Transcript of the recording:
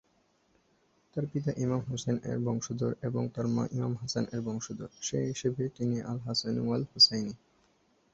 তার পিতা ইমাম হোসেন এর বংশধর এবং তার মা ইমাম হাসান এর বংশধর, সে হিসেবে তিনি আল-হাসানি-ওয়াল-হোসাইনি।